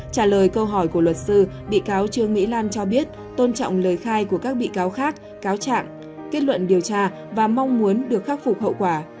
trả lời câu hỏi của luật sư bị cáo trương mỹ lan cho biết tôn trọng lời khai của các bị cáo khác cáo trạng kết luận điều tra và mong muốn được khắc phục hậu quả